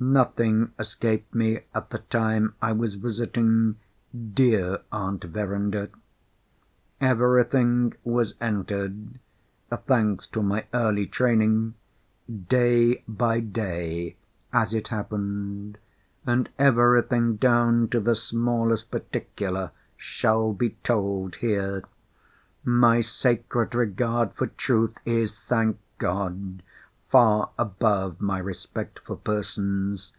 Nothing escaped me at the time I was visiting dear Aunt Verinder. Everything was entered (thanks to my early training) day by day as it happened; and everything down to the smallest particular, shall be told here. My sacred regard for truth is (thank God) far above my respect for persons.